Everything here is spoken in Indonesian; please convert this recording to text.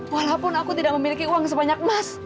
walaupun aku tidak memiliki uang sebanyak emas